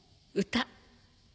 歌？